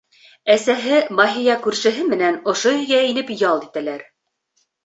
Әсәһе Маһия күршеһе менән ошо өйгә инеп ял итәләр.